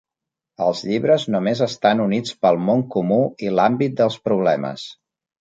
Els llibres només estan units pel món comú i l'àmbit dels problemes.